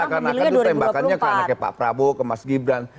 seakan akan itu tembakannya ke anaknya pak prabowo ke mas gibran